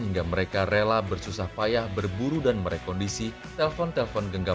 hingga mereka rela bersusah payah berburu dan merekondisi telpon telpon genggam